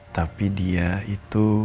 tapi dia itu